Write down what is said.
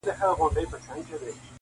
څوک یې وړونه څه خپلوان څه قریبان دي,